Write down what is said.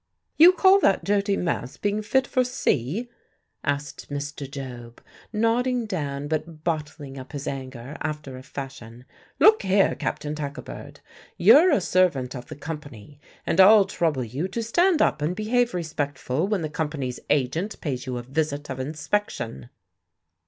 "You call that dirty mess 'being fit for sea'?" asked Mr. Job, nodding down, but bottling up his anger after a fashion. "Look here, Captain Tackabird, you're a servant of the company; and I'll trouble you to stand up and behave respectful when the company's agent pays you a visit of inspection."